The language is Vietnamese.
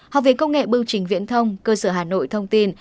học viện công nghệ bưu trình viễn thông cơ sở hà nội thông tin